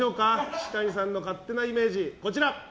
岸谷さんの勝手なイメージ。